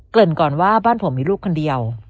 ริ่นก่อนว่าบ้านผมมีลูกคนเดียว